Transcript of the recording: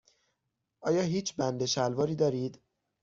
آیا هیچ بند شلواری دارید؟